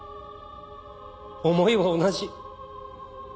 思いは同じ。